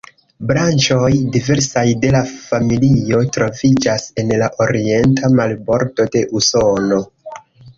Branĉoj diversaj de la familio troviĝas en la Orienta marbordo de Usono.